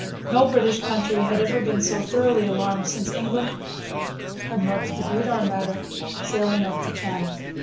No British country had ever been so thoroughly alarmed since England had watched the Great Armada sailing up the Channel.